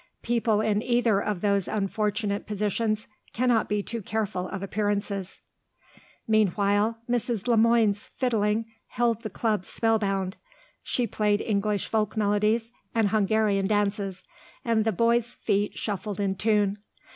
People in either of those unfortunate positions cannot be too careful of appearances. Meanwhile, Mrs. Le Moine's fiddling held the club spell bound. She played English folk melodies and Hungarian dances, and the boys' feet shuffled in tune.